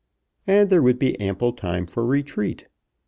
And there would be ample time for retreat.